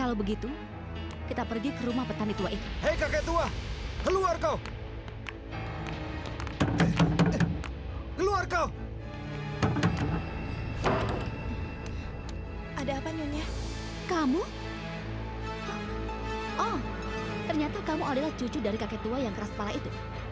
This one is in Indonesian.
oh ternyata kamu adalah cucu dari kakek tua yang keras kepala itu